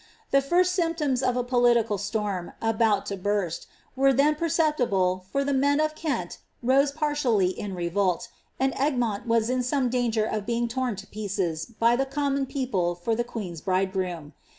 The first symptom* of a political storm, abnut to burst, were then perceptible, for the tueit of Kent rase partially in revolt, and Egmoni was in some danger of beiag lorn lo pieces by the common people for the queen's biidegroom.